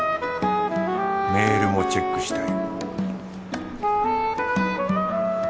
メールもチェックしたい